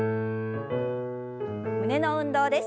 胸の運動です。